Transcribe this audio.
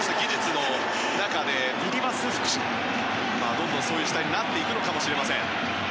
どんどんそういう時代になっていくのかもしれません。